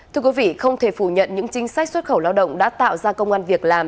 thưa quý vị không thể phủ nhận những chính sách xuất khẩu lao động đã tạo ra công an việc làm